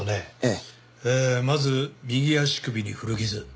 えーまず右足首に古傷。